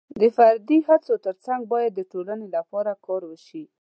د فردي هڅو ترڅنګ باید د ټولنې لپاره کار وشي.